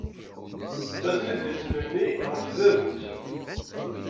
Ssersen idlisen-nni ɣef tdabut.